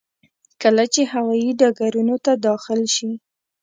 کله چې هوايي ډګرونو ته داخل شي.